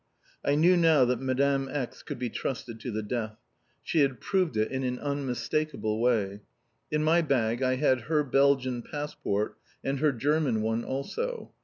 I knew now that Madame X. could be trusted to the death. She had proved it in an unmistakable way. In my bag I had her Belgian passport and her German one also.